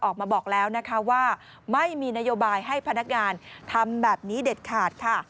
ออกมาบอกแล้วนะคะว่าไม่มีนโยบายให้พนักงานทำแบบนี้เด็ดขาดค่ะ